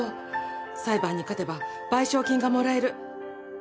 裁判に勝てば賠償金がもらえる。